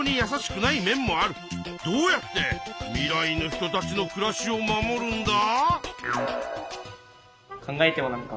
どうやって未来の人たちの暮らしを守るんだ？